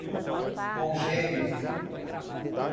Mogeiro